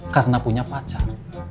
karena punya pacar